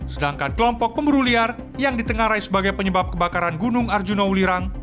sedangkan kelompok pemburu liar yang ditengarai sebagai penyebab kebakaran gunung arjuna ulirang